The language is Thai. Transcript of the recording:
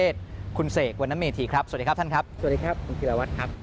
สวัสดีครับคุณฮิลวัฒน์ครับ